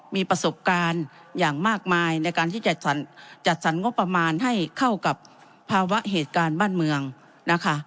มีประสบการณ์อย่างมากมายในการที่จะจัดสรรงบประมาณให้เข้ากับภาวะเหตุการณ์บ้านเมืองนะคะ